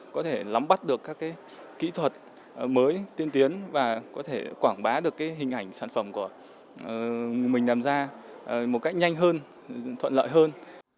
có thể lắm bắt được các kỹ thuật mới tiên tiến và có thể quảng bá được hình ảnh sản phẩm của mình làm ra một cách nhanh hơn thuận lợi hơn